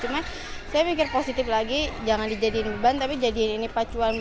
cuma saya pikir positif lagi jangan dijadiin ban tapi jadiin ini pacuan